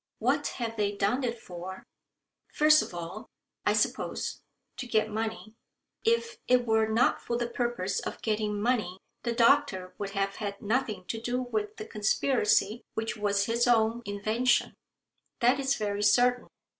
"What have they done it for? First of all, I suppose, to get money. If it were not for the purpose of getting money the doctor would have had nothing to do with the conspiracy, which was his own invention. That is very certain.